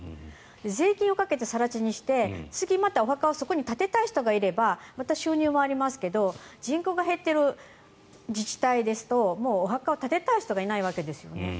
税金をかけて更地にして次またそこにお墓を建てたい人がいればまた収入もありますけど人口が減っている自治体ですともうお墓を建てたい人がいないわけです。